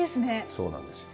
そうなんですよね。